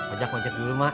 ajak ajak dulu mak